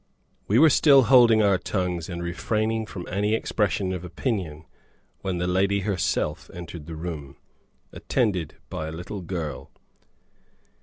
We were still holding our tongues and refraining from any expression of opinion, when the lady herself entered the room, attended by a little girl.